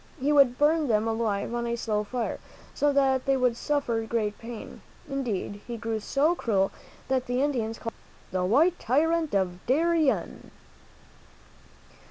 He would burn them alive on a slow fire, so that they would suffer great pain. Indeed, he grew so cruel that the Indians called him "The White Tyrant of Darien."